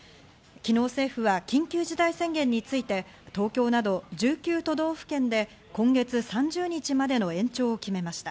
昨日政府は緊急事態宣言について、東京など１９都道府県で今月３０日までの延長を決めました。